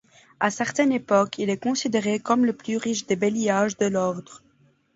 À certaines époques, il est considéré comme le plus riche des bailliages de l'ordre.